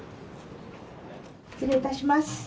失礼いたします。